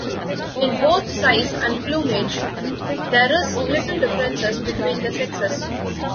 In both size and plumage there is little differences between the sexes.